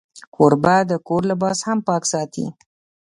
کوربه د کور لباس هم پاک ساتي.